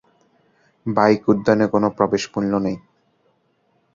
Bike উদ্যানে কোন প্রবেশ মূল্য নেই।